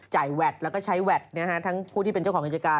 แวดแล้วก็ใช้แวดทั้งผู้ที่เป็นเจ้าของกิจการ